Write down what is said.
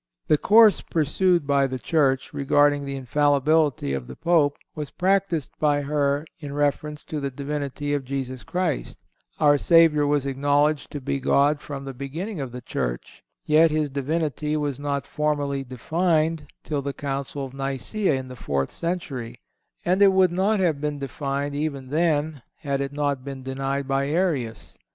The course pursued by the Church, regarding the infallibility of the Pope was practiced by her in reference to the Divinity of Jesus Christ. Our Savior was acknowledged to be God from the beginning of the Church. Yet His Divinity was not formally defined till the Council of Nicæa in the fourth century, and it would not have been defined even then had it not been denied by Arius.